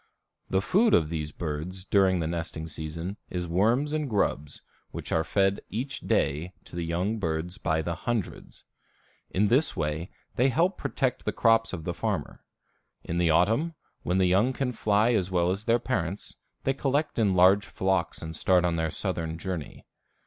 The food of these birds during the nesting season is worms and grubs, which are fed each day to the young birds by the hundreds. In this way they help protect the crops of the farmer. In the autumn, when the young can fly as well as their parents, they collect in large flocks and start on their southern journey.